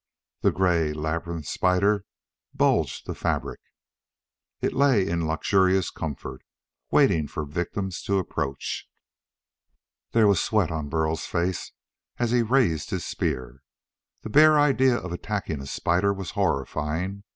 The gray labyrinth spider bulged the fabric. It lay in luxurious comfort, waiting for victims to approach. There was sweat on Burl's face as he raised his spear. The bare idea of attacking a spider was horrifying.